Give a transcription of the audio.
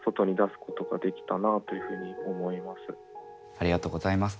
ありがとうございます。